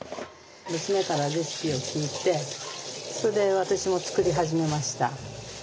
娘からレシピを聞いてそれで私も作り始めました。